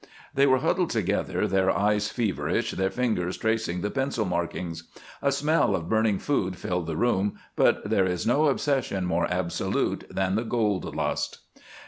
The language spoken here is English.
They were huddled together, their eyes feverish, their fingers tracing the pencil markings. A smell of burning food filled the room, but there is no obsession more absolute than the gold lust.